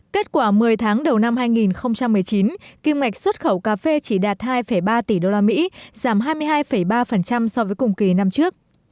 kết quả một mươi tháng đầu năm hai nghìn một mươi chín kim ngạch xuất khẩu cà phê chỉ đạt hai ba tỷ usd giảm hai mươi hai ba so với cùng kỳ năm trước